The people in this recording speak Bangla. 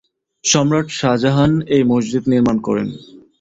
সম্রাট শাহজাহান এই মসজিদ নির্মাণ করেন।